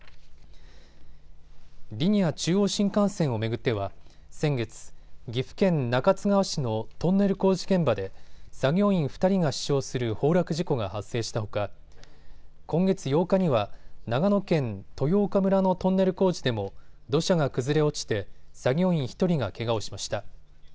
リニア中央新幹線を巡っては先月、岐阜県中津川市のトンネル工事現場で作業員２人が死傷する崩落事故が発生したほか、今月８日には長野県豊丘村のトンネル工事でも土砂が崩れ落ちて作業員１人がけがをしました。